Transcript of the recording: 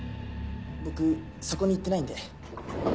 僕そこに行ってないんで。